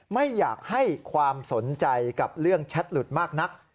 ไม่อยากให้ความสนใจกับเรื่องแชทหลุดมากนัก